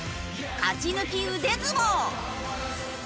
勝ち抜き腕相撲。